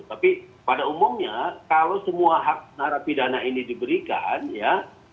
tapi pada umumnya kalau semua hak narapidana ini diberikan ya